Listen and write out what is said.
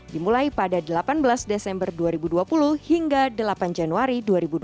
dimulai pada delapan belas desember dua ribu dua puluh hingga delapan januari dua ribu dua puluh